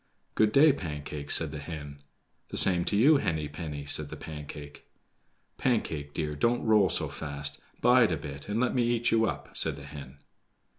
"Good day, Pancake," said the hen. "The same to you, Henny penny," said the Pancake. "Pancake, dear, don't roll so fast; bide a bit and let me eat you up," said the hen.